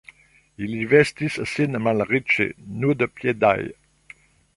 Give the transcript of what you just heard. Ili vestis sin malriĉe, nudpiedaj.